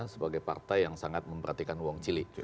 sebagai partai yang sangat memperhatikan uang cili